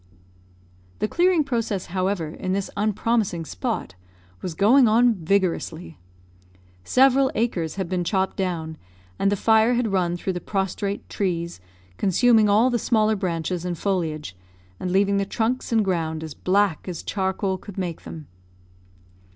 The clearing process, however, in this unpromising spot, was going on vigorously. Several acres had been chopped down, and the fire had run through the prostrate trees, consuming all the smaller branches and foliage, and leaving the trunks and ground as black as charcoal could make them.